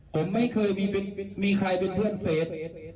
ผมไม่เคยมีใครเป็นเพื่อนเฟส